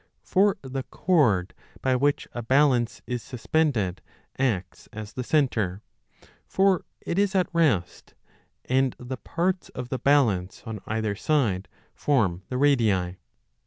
For the cord by which a balance is suspended acts as the centre, for it is at rest, and the parts of the balance on either side form the radii.